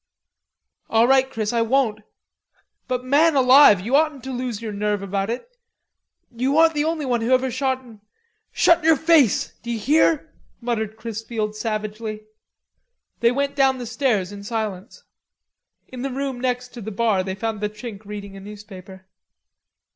"All right, Chris, I won't, but man alive, you oughtn't to lose your nerve about it. You aren't the only one who ever shot an..." "Shut yer face, d'ye hear?" muttered Chrisfield savagely. They went down the stairs in silence. In the room next, to the bar they found the Chink reading a newspaper.